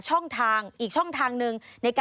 สวัสดีค่ะสวัสดีค่ะ